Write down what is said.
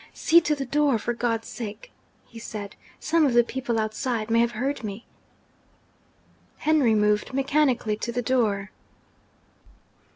'See to the door, for God's sake!' he said. 'Some of the people outside may have heard me.' Henry moved mechanically to the door.